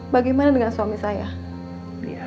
bagaimana dengan suami saya